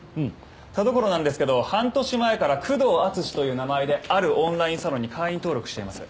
田所なんですけど半年前から久遠淳史という名前であるオンラインサロンに会員登録しています。